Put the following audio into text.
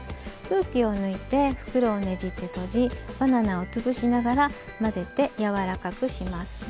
空気を抜いて、袋をねじって閉じバナナを潰しながら混ぜてやわらかくします。